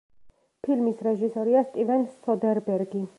ფილმის რეჟისორია სტივენ სოდერბერგი.